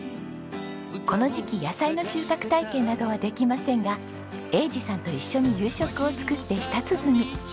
この時期野菜の収穫体験などはできませんが栄治さんと一緒に夕食を作って舌鼓。